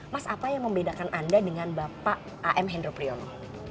mas apa yang membedakan anda dengan bapak am hendro priyono